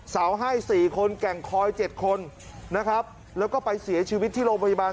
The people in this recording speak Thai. ให้๔คนแก่งคอย๗คนนะครับแล้วก็ไปเสียชีวิตที่โรงพยาบาล